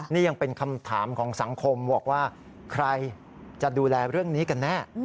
นี่ยังเป็นคำถามของสังคมบอกว่าใครจะดูแลเรื่องนี้กันแน่